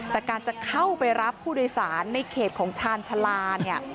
แต่การจะเข้าไปรับผู้โดยสารในเขตของชาญชาลาเนี่ย